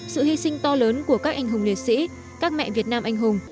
sự hy sinh to lớn của các anh hùng liệt sĩ các mẹ việt nam anh hùng